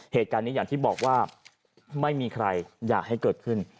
เหตุการณ์นี้อย่างที่บอกว่าไม่มีใครอยากให้เกิดขึ้น